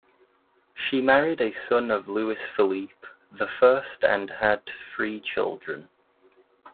She married a son of Louis Philippe the First and had three children.